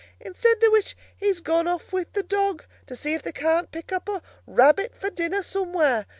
Instead of which, he's gone off with the dog, to see if they can't pick up a rabbit for dinner somewhere.